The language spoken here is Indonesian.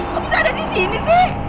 kok bisa ada disini sih